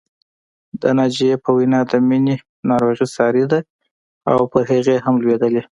د ناجيې په وینا د مینې ناروغي ساري ده او پر هغې هم لوېدلې